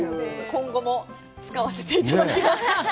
今後も使わせていただきます。